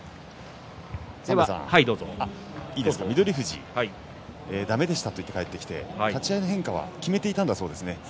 翠富士、だめでしたと言って帰ってきて立ち合いの変化は決めていたそうです。